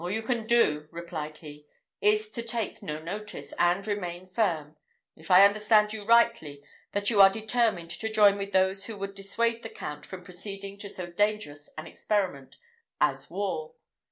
"All you can do," replied he, "is to take no notice, and remain firm if I understand you rightly, that you are determined to join with those who would dissuade the Count from proceeding to so dangerous an experiment as war."